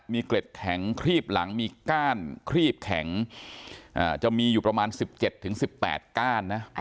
มีเกร็ดแข็งครีบหลังมีก้านครีบแข็งอ่าจะมีอยู่ประมาณสิบเจ็ดถึงสิบแปดก้านนะ